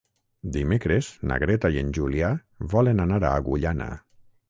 Divendres na Greta i en Julià volen anar a Agullana.